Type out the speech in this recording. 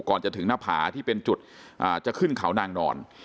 ก่อนจะถึงหน้าผาที่เป็นจุดจะขึ้นเขานางนอน